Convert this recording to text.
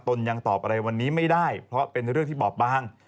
ยังตอบอะไรวันนี้ไม่ได้เพราะเป็นเรื่องที่บอบบาง